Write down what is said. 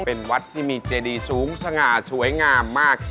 เป็นวัดที่มีเจดีสูงสง่าสวยงามมาก